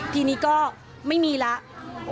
ทีนี้ก็ไม่มีแล้ว